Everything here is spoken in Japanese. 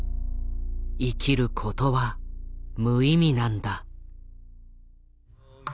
「生きることは無意味なんだ」。